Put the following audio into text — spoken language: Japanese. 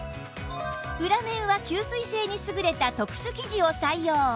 裏面は吸水性に優れた特殊生地を採用